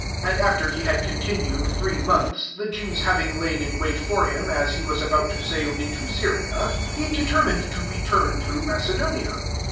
3 And after s had continued three months, le Jews having lain in wait »r him, as he was about to sail ito Sjria, he determined to sturn through Macedonia.